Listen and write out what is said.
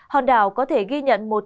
hòn đảo có thể ghi nhận